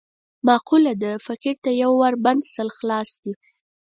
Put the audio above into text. معقوله ده: فقیر ته یو ور بند، سل خلاص دي.